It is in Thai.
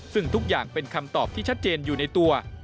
ซึ่งทุกอย่างเป็นคำตอบที่ชัดเจนอยู่ในตัว